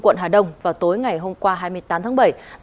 quận hà đông vào tối ngày hôm qua hai mươi tám tháng bảy